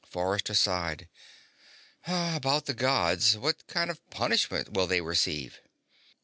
Forrester sighed. "About the Gods what kind of punishment will they receive?"